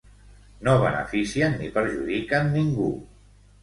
No beneficien ni perjudiquen ningú.